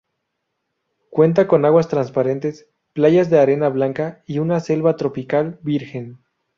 Cuenta con aguas transparentes, playas de arena blanca y una selva tropical virgen.